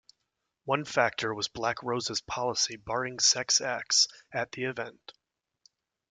One factor was Black Rose's policy barring sex acts at the event.